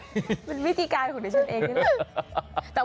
มันวิธีการของเดี๋ยวฉันเอง